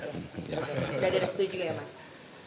sudah ada yang setuju ya pak